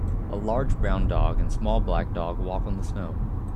A large brown dog and small black dog walk on the snow